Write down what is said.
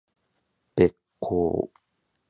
べっ甲